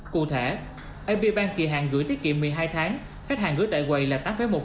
cụ thể mb bank kỳ hàng gửi tiết kiệm một mươi hai tháng khách hàng gửi tại quầy là tám một